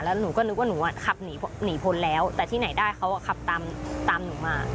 แล้วหนูก็นึกว่าหนูขับหนีพ้นแล้วแต่ที่ไหนได้เขาขับตามหนูมา